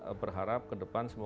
kita berharap ke depan